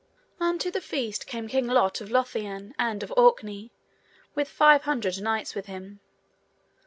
Unto the feast came King Lot of Lothian and of Orkney, with five hundred knights with him.